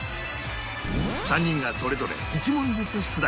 ３人がそれぞれ１問ずつ出題